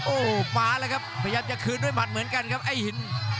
โอ้โหมาแล้วครับพยายามจะคืนด้วยหมัดเหมือนกันครับไอ้หิน